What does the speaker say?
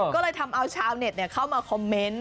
ก็เลยทำเอาชาวเน็ตเข้ามาคอมเมนต์